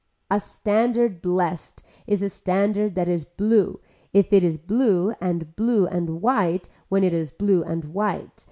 A standard blessed is a standard that is blue if it is blue and blue and white when it is blue and white.